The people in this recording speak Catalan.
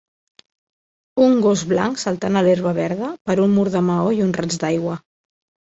un gos blanc saltant a l'herba verda per un mur de maó i un raig d'aigua